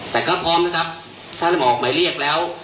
แต่ก็พร้อมนะครับท่านออกหมายเรียกแล้ว